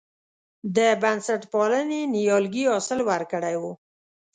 د بنسټپالنې نیالګي حاصل ورکړی و.